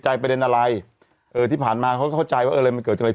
ประเด็นอะไรเออที่ผ่านมาเขาก็เข้าใจว่าเอออะไรมันเกิดจากอะไร